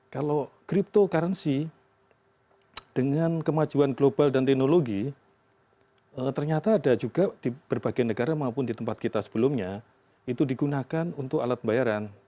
kalau cryptocurrency dengan kemajuan global dan teknologi ternyata ada juga di berbagai negara maupun di tempat kita sebelumnya itu digunakan untuk alat pembayaran